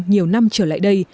nhiều năm trở lại đây